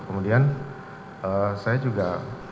kemudian saya juga